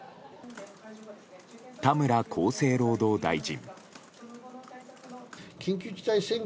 田村厚生労働大臣。